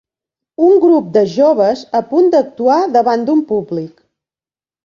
un grup de joves a punt d'actuar davant d'un públic.